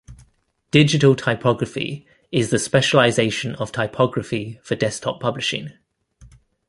Digital typography is the specialization of typography for desktop publishing.